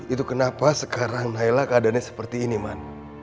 itu kenapa sekarang naila keadaannya seperti ini man